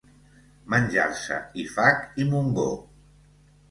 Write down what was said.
Menjar-se Ifac i Montgó.